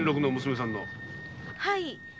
はい。